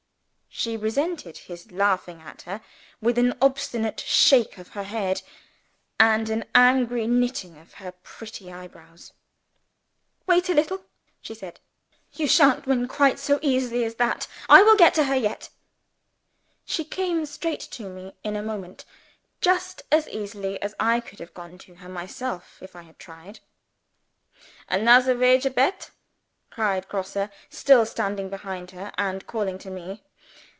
She resented his laughing at her, with an obstinate shake of her head, and an angry knitting of her pretty eyebrows. "Wait a little," she said. "You shan't win quite so easily as that. I will get to her yet!" She came straight to me in a moment just as easily as I could have gone to her myself if I had tried. "Another wager bet!" cried Grosse, still standing behind her, and calling to me.